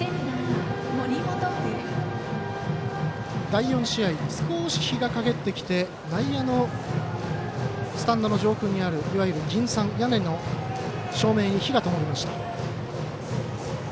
第４試合、少し日がかげってきて内野のスタンドの上空にあるいわゆる銀傘屋根の照明に灯がともりました。